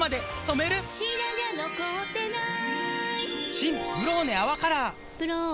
新「ブローネ泡カラー」「ブローネ」